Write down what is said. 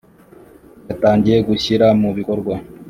yatangiye gushyira mu bikorwa